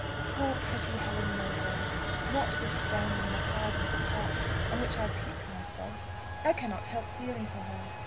Poor, pretty Helen Mowbray! notwithstanding the hardness of heart on which I pique myself, I cannot help feeling for her.